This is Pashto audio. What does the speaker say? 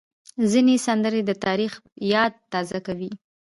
ځینې سندرې د تاریخ یاد تازه کوي.